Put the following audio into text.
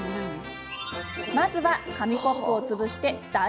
まずは、紙コップを潰してだ